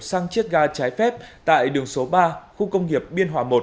sang chiếc ga trái phép tại đường số ba khu công nghiệp biên hòa một